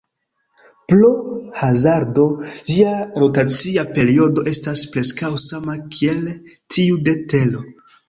Pro hazardo, ĝia rotacia periodo estas preskaŭ sama kiel tiu de Tero.